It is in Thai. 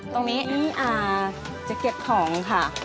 ตรงนี้จะเก็บของค่ะ